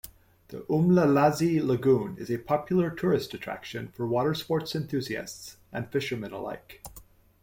The Umlalazi Lagoon is a popular tourist attraction for watersports enthusiasts and fishermen alike.